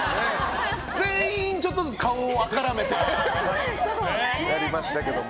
全員ちょっとずつ顔を赤らめてましたけどね。